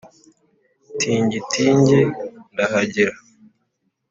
Tingi-tingi ndahagera